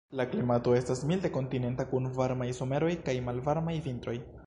La klimato estas milde kontinenta, kun varmaj someroj kaj malvarmaj vintroj.